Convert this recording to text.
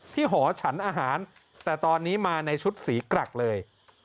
หอฉันอาหารแต่ตอนนี้มาในชุดสีกรักเลย